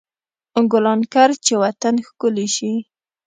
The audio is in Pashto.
ګلان کر، چې وطن ښکلی شي.